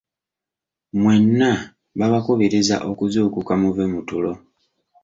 Mwenna babakubiriza okuzuukuka muve mu tulo.